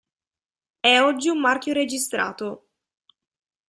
È oggi un marchio registrato.